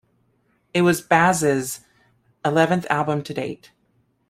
It was Baez' eleventh album to date.